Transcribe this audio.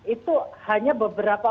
itu hanya beberapa